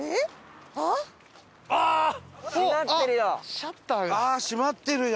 シャッターが。